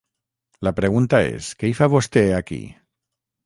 La pregunta és què hi fa vostè, aquí?